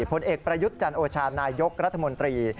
ผลเอกประยุทธ์จันโอชานายกรัฐมนตรี